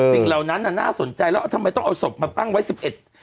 เหล่านั้นน่ะน่าสนใจแล้วทำไมต้องเอาศพมาตั้งไว้สิบเอ็ด